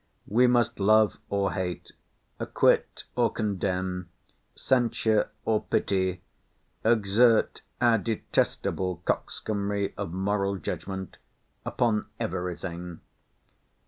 We must love or hate—acquit or condemn—censure or pity—exert our detestable coxcombry of moral judgment upon every thing.